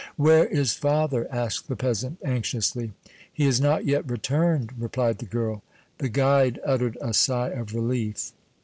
"Where is father?" asked the peasant, anxiously. "He has not yet returned," replied the girl. The guide uttered a sigh of relief.